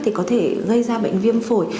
thì có thể gây ra bệnh viêm phổi